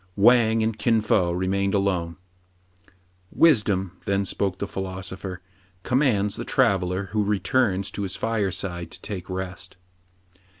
Wang and Kin Fo remained alone. Wisdom," then spoke the philosopher, " com mands the traveller who returns to his fireside to take rest."